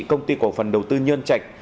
công ty cổ phần đầu tư nhân trạch